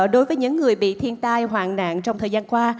đối với những người bị thiên tai hoạn nạn trong thời gian qua